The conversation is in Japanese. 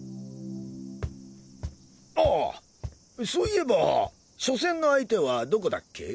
ああそういえば初戦の相手はどこだっけ？